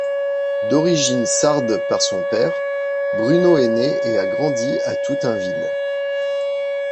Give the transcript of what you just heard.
D’origine sarde par son père, Bruno est né et a grandi à Toutainville.